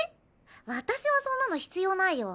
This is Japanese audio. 私はそんなの必要ないよ。